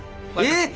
えっ！